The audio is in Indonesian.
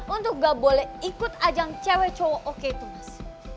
untuk gak boleh ikut ajang cewek cewek oke tunas